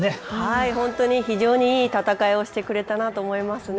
本当に非常にいい戦いをしてくれたなと思います。